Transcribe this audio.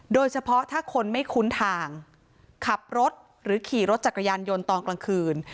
โดยเฉพาะถ้าคนไม่คุ้นทางขับรถหรือขี่รถจักรยานยนต์ตอนกลางคืน